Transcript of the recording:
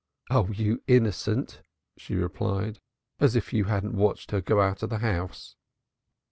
"Oh, you innocent!" she replied. "As if you hadn't watched her go out of the house!"